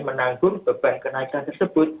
menanggung beban kenaikan tersebut